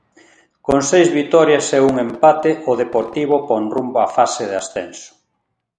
Con seis vitorias e un empate, o Deportivo pon rumbo a fase de ascenso.